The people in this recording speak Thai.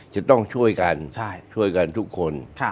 จะต้องช่วยกันช่วยกันทุกคน